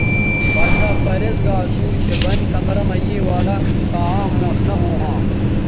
باڇھا پریز گا اسو چہء بند کمرہ مہ یے والہ کاں عام موݜ نہ ھوں ھاں